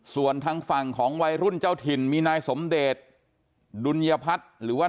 ส่วนทางฝั่งของวัยรุ่นเจ้าถิ่นมีนายสมเดชดุลยพัฒน์หรือว่า